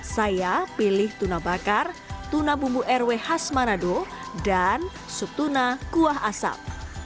saya pilih tuna bakar tuna bumbu rw khas manado dan sup tuna kuah asam